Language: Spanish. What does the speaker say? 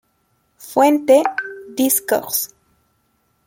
Fuente:, Discogs